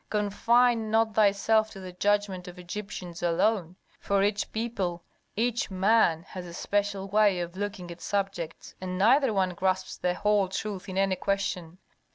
Confine not thyself to the judgment of Egyptians alone, for each people, each man has a special way of looking at subjects, and neither one grasps the whole truth in any question.